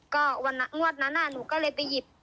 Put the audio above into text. ก็วันงวดนั้นอ่ะหนูก็เลยไปหยิบ